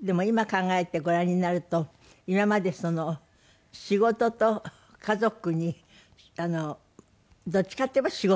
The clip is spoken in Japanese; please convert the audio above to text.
でも今考えてごらんになると今まで仕事と家族にどっちかっていえば仕事。